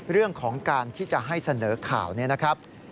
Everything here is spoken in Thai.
เรื่องของการที่จะให้เสนอข่าวนี้นะครับ